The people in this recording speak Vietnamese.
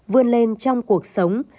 vươn lên trong cuộc sống